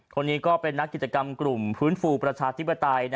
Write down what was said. คนนี้ก็เป็นนักกิจกรรมกลุ่มฟื้นฟูประชาธิปไตย